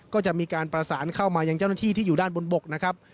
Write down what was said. ก็จะมีการประสานเข้ามายังเจ้าหน้าที่ที่อยู่ด้านบนบกนะครับ